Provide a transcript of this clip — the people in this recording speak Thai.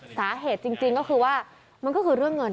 สาเหตุจริงก็คือว่ามันก็คือเรื่องเงิน